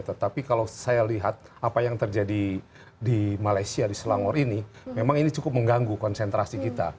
tetapi kalau saya lihat apa yang terjadi di malaysia di selangor ini memang ini cukup mengganggu konsentrasi kita